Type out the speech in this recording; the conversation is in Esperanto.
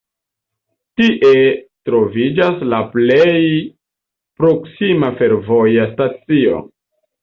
Tie troviĝas la plej proksima fervoja stacio.